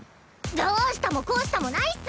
どうしたもこうしたもないっス！